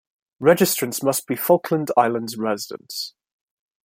Registrants must be Falkland Islands residents.